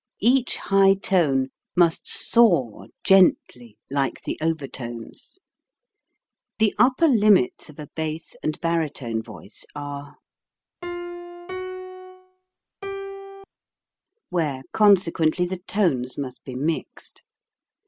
Each high tone must soar gently, like the overtones. The upper limits of a bass and baritone voice are where, consequently, the tones must be mixed.